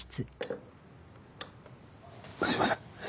すいません。